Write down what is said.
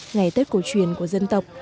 ngày tết cổ truyền của dân tộc